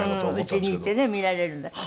家にいてね見られるんだから。